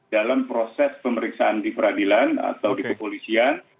dalam proses pemeriksaan di peradilan atau di kepolisian